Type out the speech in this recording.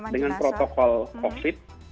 dengan protokol covid sembilan belas